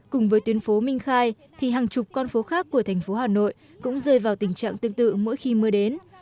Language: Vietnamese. cùng với tuyến phố minh khai thì hàng chục con phố khác của thành phố hà nội cũng rơi vào tình trạng tương tự mỗi khi mưa đến